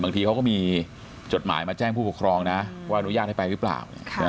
ทีเขาก็มีจดหมายมาแจ้งผู้ปกครองนะว่าอนุญาตให้ไปหรือเปล่า